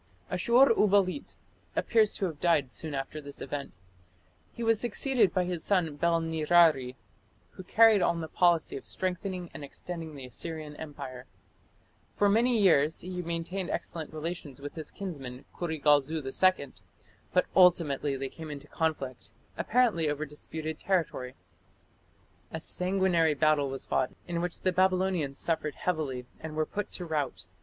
Ashur uballit appears to have died soon after this event. He was succeeded by his son Bel nirari, who carried on the policy of strengthening and extending the Assyrian empire. For many years he maintained excellent relations with his kinsman Kurigalzu II, but ultimately they came into conflict apparently over disputed territory. A sanguinary battle was fought, in which the Babylonians suffered heavily and were put to rout.